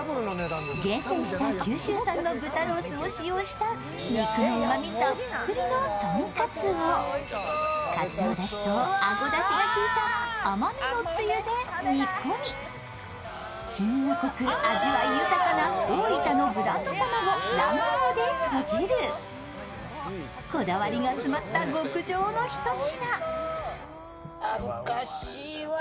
厳選した九州産の豚ロースを使用した肉のうまみたっぷりの豚カツをかつおだしとあごだしがきいた甘めのつゆで煮込み黄身が濃く味わい豊かな大分のブランド卵、蘭王でとじるこだわりが詰まった極上のひと品。